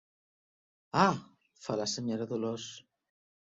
Ah —fa la senyora Dolors.